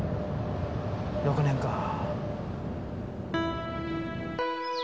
６年かぁ。